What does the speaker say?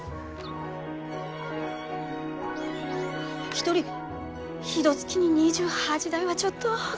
一人ひとつきに２８台はちょっと。